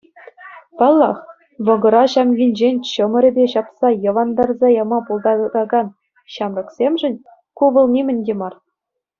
Паллах, вӑкӑра ҫамкинчен чӑмӑрӗпе ҫапса йӑвантарса яма пултаракан ҫамрӑксемшӗн ку вӑл нимӗн те мар.